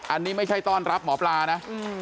อันนี้ไม่ใช่ต้อนรับหมอปลานะ